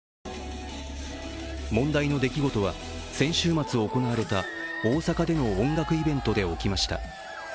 問題の出来事は、先週末行われた大阪での音楽委ベンドて起きました。